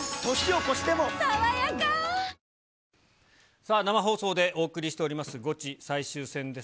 さあ、生放送でお送りしております、ゴチ最終戦です。